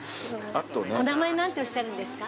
お名前何ておっしゃるんですか？